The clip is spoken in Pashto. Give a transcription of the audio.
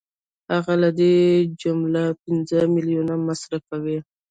هغه له دې جملې پنځه میلیونه مصرفوي